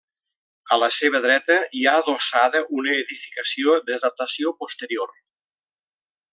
A la seva dreta hi ha adossada una edificació de datació posterior.